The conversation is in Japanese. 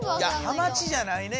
ハマチじゃないね